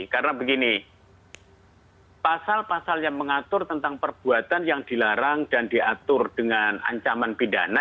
karena begini pasal pasal yang mengatur tentang perbuatan yang dilarang dan diatur dengan ancaman pidana